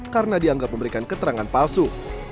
karena dianggap memberikan keterangan palsu